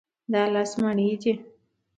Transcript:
دا لس مڼې دي.